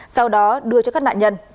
sau đó đưa cho các nạn nhân